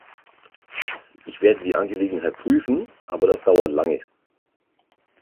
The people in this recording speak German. Ich werde die Angelegenheit prüfen, aber das dauert lange.